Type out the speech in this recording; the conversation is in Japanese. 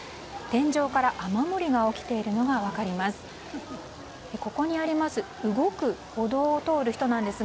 天井から雨漏りが起きているのが分かります。